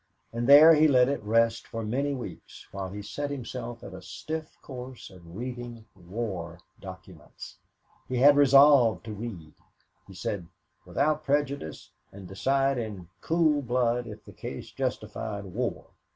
And there he let it rest for many weeks, while he set himself at a stiff course of reading of war documents. He had resolved to read, he said, "without prejudice, and decide in cool blood if the case justified war!"